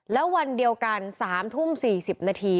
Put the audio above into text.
แล้ววันเดียวกัน๓ทุ่ม๔๐นาที